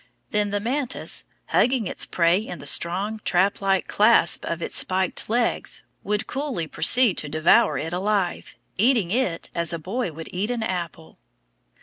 Then the mantis, hugging its prey in the strong trap like clasp of its spiked legs, would coolly proceed to devour it alive, eating it as a boy would eat an apple.